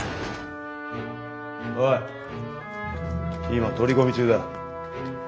今取り込み中だ。